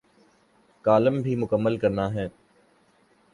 Column بھی مکمل کرنا ہے۔